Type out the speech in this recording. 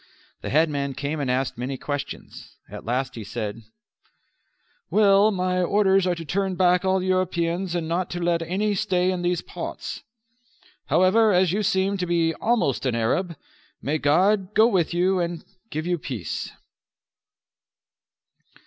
The headman came and asked many questions. At last he said: "Well, my orders are to turn back all Europeans and not to let any stay in these parts. However, as you seem to be almost an Arab, may God go with you and give you peace."